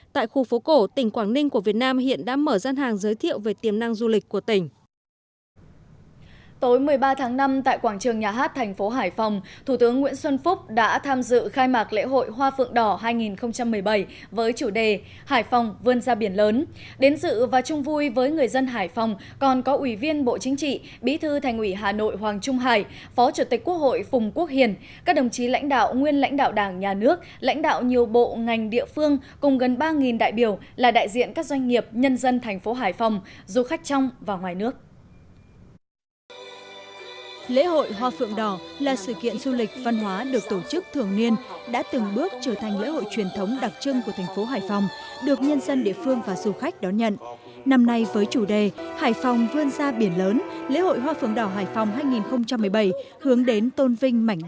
tại khu phố cổ tỉnh quảng ninh của việt nam hiện đã mở gian hàng giới thiệu về tiềm năng du lịch của tỉnh